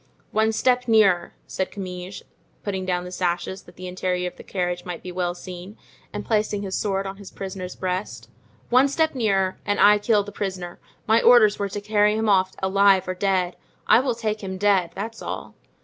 "One step nearer," said Comminges, putting down the sashes, that the interior of the carriage might be well seen, and placing his sword on his prisoner's breast, "one step nearer, and I kill the prisoner; my orders were to carry him off alive or dead. I will take him dead, that's all."